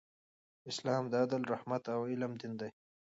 اسلام د عدل، رحمت او علم دین دی.